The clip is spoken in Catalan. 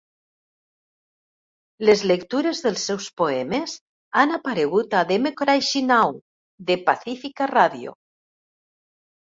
Les lectures dels seus poemes han aparegut a Democracy Now!, De Pacifica Radio.